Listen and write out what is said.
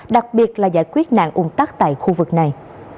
đặc biệt là giải quyết nạn ôn tắt tại khu vực này